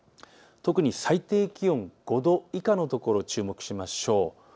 特に最低気温、５度以下のところを注目しましょう。